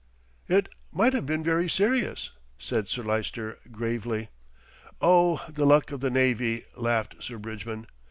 "It might have been very serious," said Sir Lyster gravely. "Oh! the luck of the navy," laughed Sir Bridgman.